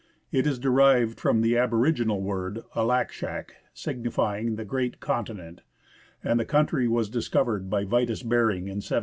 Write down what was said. It is derived from the aboriginal word " Al ak shak," sig nifying " the great continent," and the country was discovered by Vitus Behring in 1741.